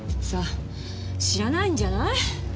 さあ知らないんじゃない。